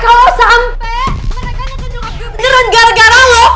eh kalo sampe mereka mau nyokap gue beneran gara gara lo